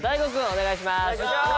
お願いしまーす！